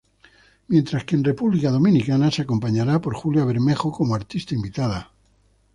Mientras que en República Dominicana se acompañará por Julia Bermejo como artista invitada.